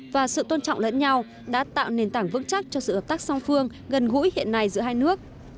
và sự tôn trọng lẫn nhau đã tạo nền tảng vững chắc cho sự hợp tác song phương gần gũi hiện nay giữa hai nước